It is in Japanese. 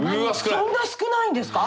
そんな少ないんですか。